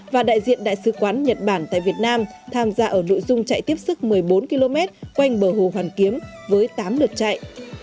và đại diện đại sứ quán nhật bản tại việt nam tham gia ở nội dung chạy tiếp sức một mươi bốn km quanh bờ hồ hoàn kiếm với tám đợt chạy